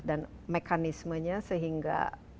dan mekanismenya sehingga